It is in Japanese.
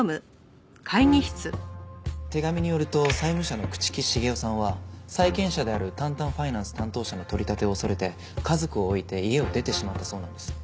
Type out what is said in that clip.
手紙によると債務者の朽木茂雄さんは債権者であるタンタンファイナンス担当者の取り立てを恐れて家族を置いて家を出てしまったそうなんです。